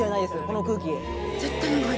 この空気。